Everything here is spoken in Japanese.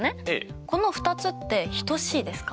この２つって等しいですか？